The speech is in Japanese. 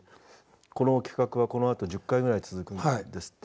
この企画はこのあと１０回ぐらい続くんですって？